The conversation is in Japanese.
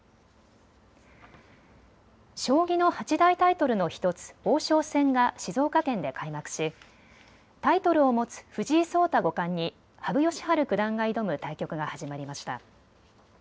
将棋の八大タイトルの１つ王将戦が静岡県で開幕しタイトルを持つ藤井聡太五冠に羽生善治九段が挑む対局が始まりました。